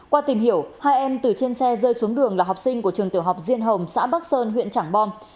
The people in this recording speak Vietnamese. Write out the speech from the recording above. qua tìm hiểu hai em từ trên xe rơi xuống đường là học sinh của trường tiểu học diên hồng xã bắc sơn huyện trảng bom